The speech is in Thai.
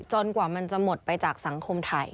กว่ามันจะหมดไปจากสังคมไทย